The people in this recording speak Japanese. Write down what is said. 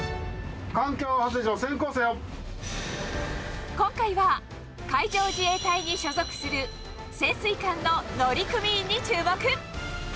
艦橋発令所、今回は、海上自衛隊に所属する、潜水艦の乗組員に注目。